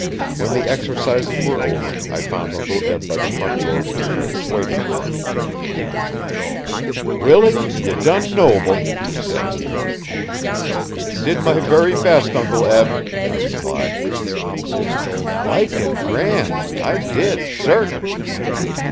When the exercises were over I found Uncle Eb by the front door of the church, waiting for me. 'Willie, ye done noble!' said he. 'Did my very best, Uncle Eb,' I replied. 'Liked it grand I did, sartin.'